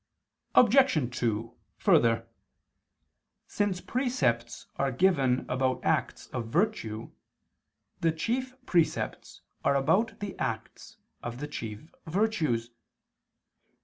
Obj. 2: Further, since precepts are given about acts of virtue, the chief precepts are about the acts of the chief virtues.